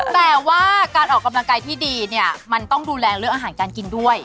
แต่ว่าการออกกำลังกายที่ดีเนี่ยมันต้องดูแลเรื่องอาหารการกินด้วย